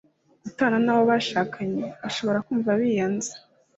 gutana n'abo bashakanye. bashobora kumva biyanze